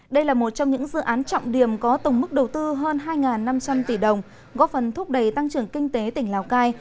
đây là một trong những dự án trọng điểm có tổng mức đầu tư hơn hai năm trăm linh tỷ đồng góp phần thúc đẩy tăng trưởng kinh tế tỉnh lào cai